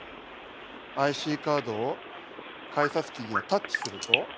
ＩＣカードを改札機にタッチすると。